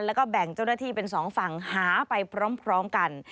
แล้วก็แบ่งเจ้าหน้าที่เป็นสองฝั่งหาไปพร้อมกัน